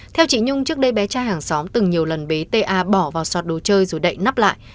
theo chị nhung trước đây bé trai hàng xóm từng nhiều lần bế ta bỏ vào sọt đồ chơi rồi đậy nắp lại